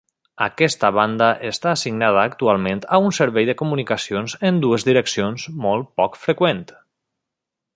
Aquesta banda està assignada actualment a un servei de comunicacions en dues direccions molt poc freqüent.